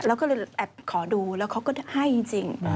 เราเลยแอบขอดูแล้วเขาก็ได้จริงอ๋อ